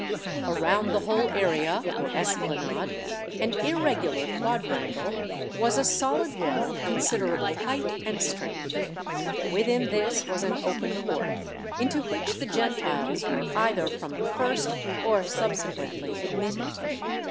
Around the whole area or esplanade, an irregular quadrangle, was a solid wall of considerable height and strength: within this was an open court, into which the Gentiles were either from the first, or subsequently, admitted.